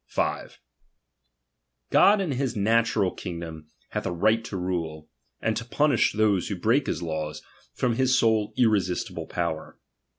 5. God in his natural kingdom hath a right to rule, and to punish those who break his laws, from his sole irresistible power.